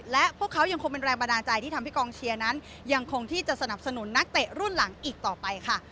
และพวกเขายังคงเป็นแรงบันดาลใจที่ทำให้กองเชียร์นั้นยังคงที่จะสนับสนุนนักเตะรุ่นหลังอีกต่อไปค่ะ